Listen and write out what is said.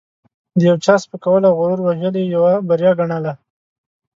د یو چا سپکول او غرور وژل یې یوه بریا ګڼله.